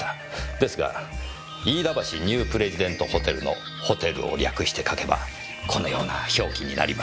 ですが飯田橋ニュープレジデントホテルのホテルを略して書けばこのような表記になります。